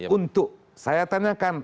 untuk saya tanyakan